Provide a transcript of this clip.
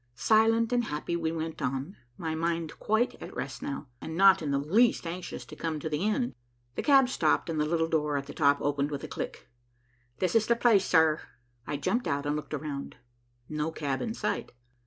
Silent and happy we went on, my mind quite at rest now, and not in the least anxious to come to the end. The cab stopped and the little door at the top opened with a click. "This is the place, sir." I jumped out and looked around. No cab in sight.